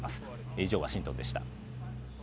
以上、ワシントンでした。